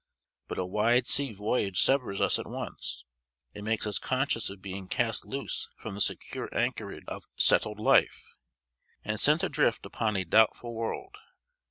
But a wide sea voyage severs us at once. It makes us conscious of being cast loose from the secure anchorage of settled life, and sent adrift upon a doubtful world.